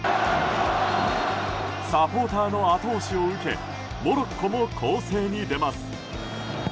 サポーターの後押しを受けモロッコも攻勢に出ます。